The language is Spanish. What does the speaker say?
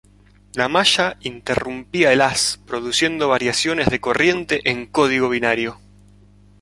La malla interrumpía el haz, produciendo variaciones de corriente en código binario.